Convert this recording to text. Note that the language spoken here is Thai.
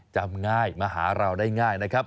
จำง่ายมาหาเราได้ง่ายนะครับ